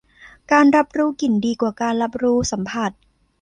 การรับรู้กลิ่นดีกว่าการรับรู้สัมผัส